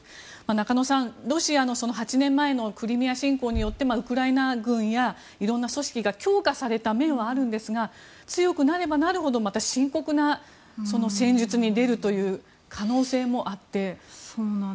中野さん、ロシアの８年前のクリミア侵攻によってウクライナ軍やいろんな組織が強化された面はあるんですけど強くなればなるほど深刻な戦術に出るという可能性もあって。